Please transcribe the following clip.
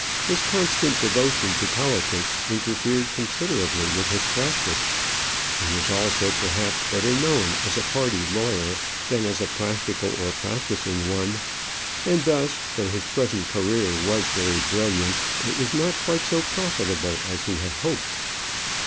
His constant devotion to politics interfered considerably with his practice. He was also perhaps better known as a party lawyer than as a practical or practising one; and thus, though his present career was very brilliant, it was not quite so profitable as he had hoped.